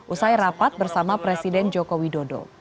usai rapat bersama presiden joko widodo